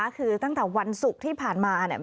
คือตั้งแต่วันศุกร์ที่ผ่านมาเนี่ย